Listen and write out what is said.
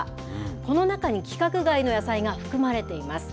この中に規格外の野菜が含まれています。